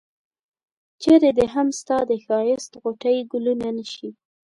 چرې دي هم ستا د ښایست غوټۍ ګلونه نه شي.